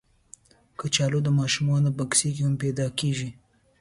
کچالو د ماشومانو بکس کې هم پیدا کېږي